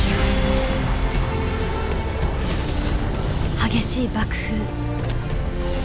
激しい爆風。